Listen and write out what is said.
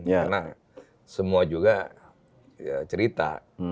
karena semua juga cerita